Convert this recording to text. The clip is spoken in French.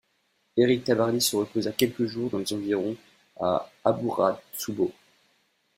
Éric Tabarly se reposa quelques jours dans les environs à Aburatsubo.